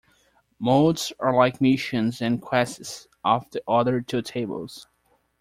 Modes are like missions and quests of the other two tables.